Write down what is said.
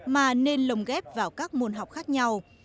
mà nên lồng ghép vào các môn học khác nhau